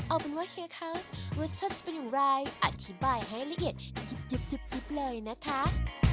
เอาเป็นว่าเฮียคะรสชาติจะเป็นอย่างไรอธิบายให้ละเอียดยิบเลยนะคะ